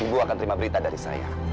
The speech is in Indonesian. ibu akan terima berita dari saya